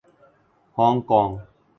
Hong Kong